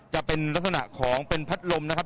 จะเป็นลักษณะของเป็นพัดลมนะครับ